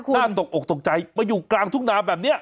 ตกอกตกใจมาอยู่กลางทุ่งนาแบบนี้